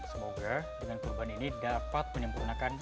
semoga dengan kurban ini dapat menyempurnakan